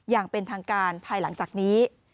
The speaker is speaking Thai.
อย่างเป็นทางการภายหลังจากนี้